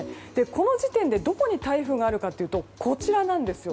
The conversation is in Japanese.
この時点でどこに台風があるかというとこちらなんです。